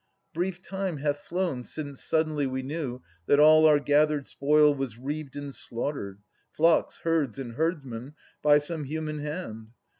Brief time hath flown since suddenly we knew That all our gathered spoil was reaved and slaughtered, Flocks, herds, and herdmen, by some human hand.